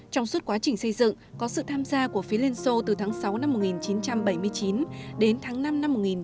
trong suốt quá trình xây dựng có sự tham gia của phía liên xô từ tháng sáu năm một nghìn chín trăm bảy mươi chín đến tháng năm năm một nghìn chín trăm bảy mươi